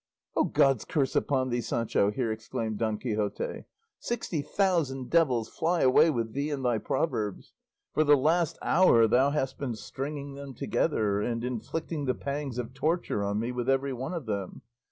'" "Oh, God's curse upon thee, Sancho!" here exclaimed Don Quixote; "sixty thousand devils fly away with thee and thy proverbs! For the last hour thou hast been stringing them together and inflicting the pangs of torture on me with every one of them.